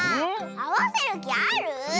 あわせるきある？